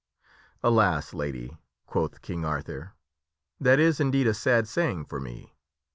" Alas, Lady!" quoth King Arthur, " that is indeed a sad saying for me.